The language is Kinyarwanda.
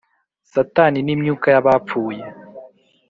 Satanin’ Imyuka y Abapfuye